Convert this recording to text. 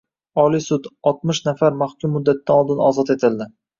Oliy sud: Oltmish nafar mahkum muddatidan oldin ozod etildi